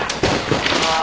ああ。